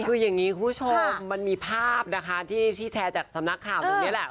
คืออย่างนี้คุณผู้ชมมันมีภาพนะคะที่แชร์จากสำนักข่าวหนึ่งนี่แหละ